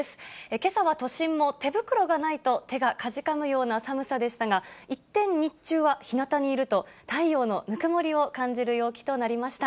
けさは都心も手袋がないと、手がかじかむような寒さでしたが、一転、日中はひなたにいると、太陽のぬくもりを感じる陽気となりました。